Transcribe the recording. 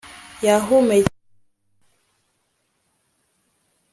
yahumekeye ijwi rivuga ngo nanze